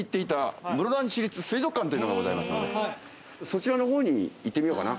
そちらの方に行ってみようかな。